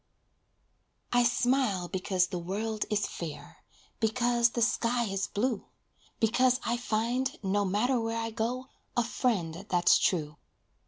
I smile because the world is fair; Because the sky is blue. Because I find, no matter where I go, a friend that's true.